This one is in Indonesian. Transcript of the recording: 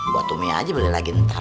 buat umi aja beli lagi ntar